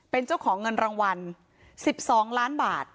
เป็นเจ้าของเงินรางวัล๑๒ล้านบาท